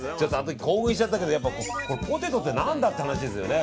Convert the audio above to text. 興奮しちゃったけどポテトって何だって話ですよね。